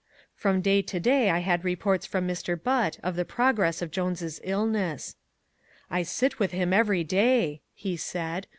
From day to day I had reports from Mr. Butt of the progress of Jones's illness. "I sit with him every day," he said.